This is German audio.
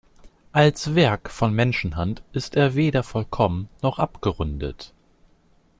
Als Werk von Menschenhand ist er weder vollkommen noch abgerundet.